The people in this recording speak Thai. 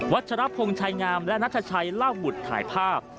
ชรพงศ์ชายงามและนัทชัยเล่าบุตรถ่ายภาพ